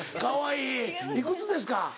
いくつですか？